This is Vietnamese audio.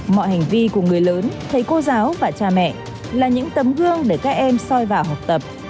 mọi hành vi của người lớn thầy cô giáo và cha mẹ là những tấm gương để các em soi vào học tập